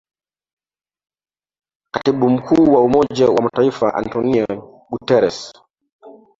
Katibu Mkuu wa Umoja wa Mataifa Antonio Gutteres